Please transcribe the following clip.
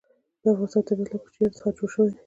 د افغانستان طبیعت له کوچیانو څخه جوړ شوی دی.